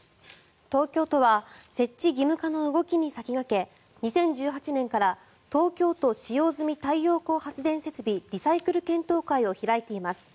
東京都は設置義務化の動きに先駆け２０１８年から東京都使用済太陽光発電設備リサイクル検討会を開いています。